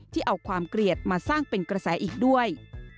ที่เอาความเกลียดมาสร้างเป็นกระแสอีกด้วย